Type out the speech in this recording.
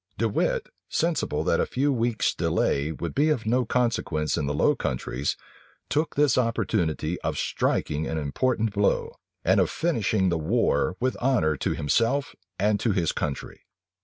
De Wit, sensible that a few weeks' delay would be of no consequence in the Low Countries, took this opportunity of striking an important blow, and of finishing the war with honor to himself and to his country.